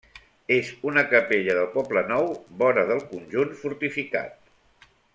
És una capella del poble nou, vora del conjunt fortificat.